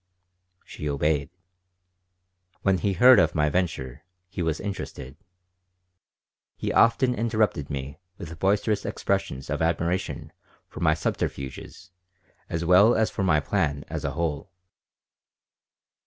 She obeyed When he heard of my venture he was interested. He often interrupted me with boisterous expressions of admiration for my subterfuges as well as for the plan as a whole.